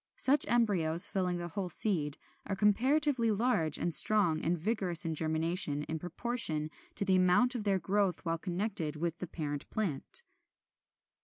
Such embryos, filling the whole seed, are comparatively large and strong, and vigorous in germination in proportion to the amount of their growth while connected with the parent plant.